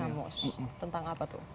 kamus tentang apa tuh